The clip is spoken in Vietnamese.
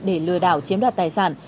để lừa đảo chiếm đoạt tài sản